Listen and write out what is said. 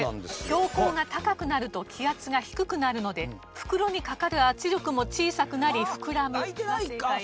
標高が高くなると気圧が低くなるので袋にかかる圧力も小さくなり「ふくらむ」が正解です。